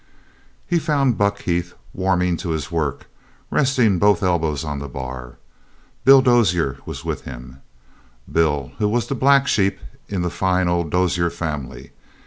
He found Buck Heath warming to his work, resting both elbows on the bar. Bill Dozier was with him, Bill who was the black sheep in the fine old Dozier family.